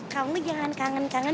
kamu jangan kangen kangen